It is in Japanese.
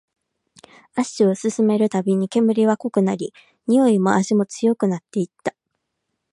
足を進めるたびに、煙は濃くなり、においも味も強くなっていった